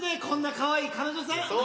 こんなかわいい彼女さん。